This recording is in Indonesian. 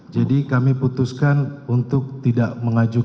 jadi kami putuskan untuk tidak mengajukan